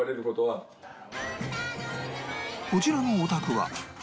こちらのお宅は